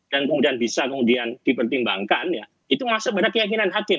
dan kemudian bisa kemudian dipertimbangkan ya itu masuk pada keyakinan hakim